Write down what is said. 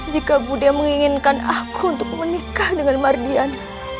jika buddha menginginkan aku untuk menikah dengan mardian